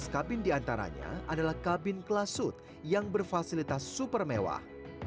satu ratus lima belas kabin di antaranya adalah kabin kelas suit yang berfasilitas super mewah